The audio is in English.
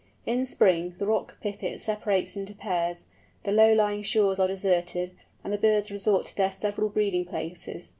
In spring the Rock Pipit separates into pairs, the low lying shores are deserted, and the birds resort to their several breeding places.